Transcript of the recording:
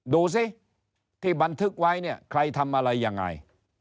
ดูสิที่บันทึกไว้เนี่ยใครทำอะไรยังไง